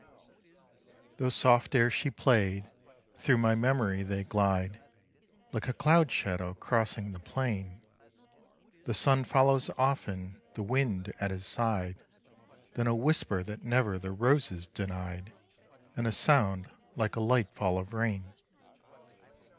Those soft airs she played through my mem'ry they glide Like a cloud shadow crossing the plain; The sun follows often, the wind at his side, Then a whisper that never the roses denied, And a sound like a light fall of rain.